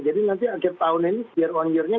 jadi nanti akhir tahun ini year on year nya